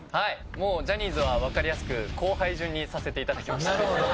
もうジャニーズはわかりやすく後輩順にさせて頂きました。